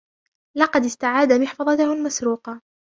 لقد استعاد محفظته المسروقة.